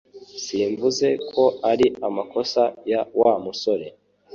Simvuze ko ari amakosa ya Wa musore